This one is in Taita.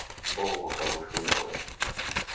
Oghoka w'ushunyi ghwake.